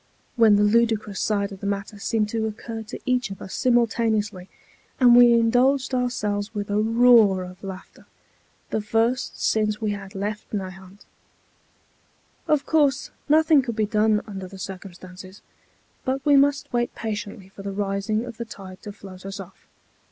when the ludicrous side of the matter seemed to occur to each of us simultaneously, and we indulged ourselves with a roar of laughter, the first since we had left Nahant. Of course, nothing could be done under the circumstances; but we must wait patiently for the rising of the tide to float us off.